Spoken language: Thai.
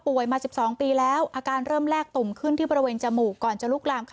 ป่วยมา๑๒ปีแล้วอาการเริ่มแรกตุ่มขึ้นที่ประเวณจมูกก่อนจะลุกรามคยายใหญ่ขึ้น